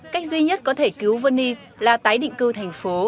cách duy nhất có thể cứu venice là tái định cư thành phố